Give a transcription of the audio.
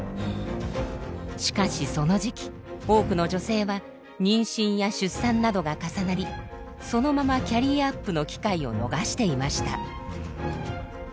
しかしその時期多くの女性は妊娠や出産などが重なりそのままキャリアアップの機会を逃していました。